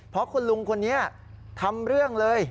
เพราะคุณลุงคนนี้ทำเรื่องเลย